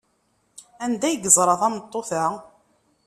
Anda ay yeẓra tameṭṭut-a?